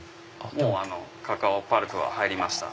もうカカオパルプは入りました。